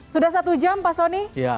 sudah satu jam pak soni